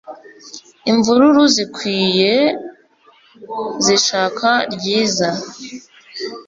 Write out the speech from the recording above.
Imvururu zikwiye zishaka ryiza